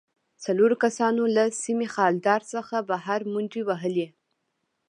څلورو کسانو له سیم خاردار څخه بهر منډې وهلې